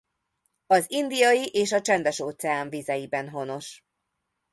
Az Indiai- és a Csendes-óceán vizeiben honos.